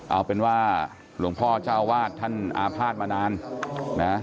เอาเป็นว่าหลวงพ่อเจ้าวาดท่านอาภาษณ์มานานนะ